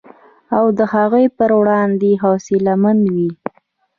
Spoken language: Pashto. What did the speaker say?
او د هغوی په وړاندې حوصله مند وي